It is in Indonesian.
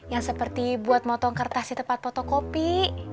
yang seperti buat motong kertas di tempat potok kopi